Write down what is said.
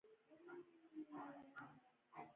انار د افغانستان د شنو سیمو ښکلا ده.